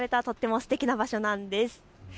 とってもすてきな場所なんです。